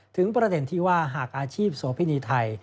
ประเด็นที่ว่าหากอาชีพโสพินีไทย